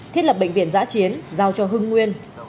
thiết lập bệnh viện giã chiến giao cho hưng nguyên